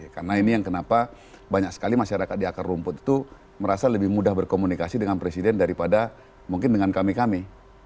karena ini yang kenapa banyak sekali masyarakat di akar rumput itu merasa lebih mudah berkomunikasi dengan presiden daripada mungkin dengan kami kami